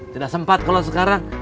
tidak sempat kalau sekarang